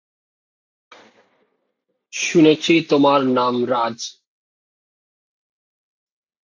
শুনেছি তোমার নাম রাজ।